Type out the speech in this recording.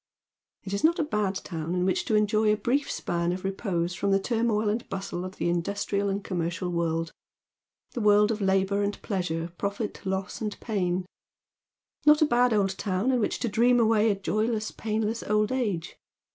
It is not a bad town in which to enjoy a brief span of repose fi om the turmoil and bustle of the industrial and commercial world ;— the world of labour and pleasure, profit, loss, and pain Not a bad old town in which to dream away a joyless, painless old age.